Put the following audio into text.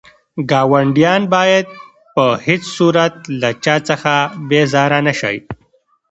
ګاونډيان بايد په هيڅ صورت له چا څخه بيزاره نه شئ.